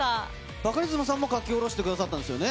バカリズムさんも描き下ろしてくださったんですね。